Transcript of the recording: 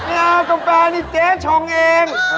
กาแฟนี่เจ๊ชงเอง